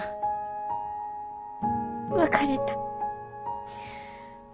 別れた。